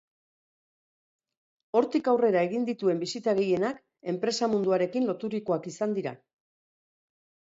Hortik aurrera egin dituen bisita gehienak enpresa munduarekin loturikoak izan dira.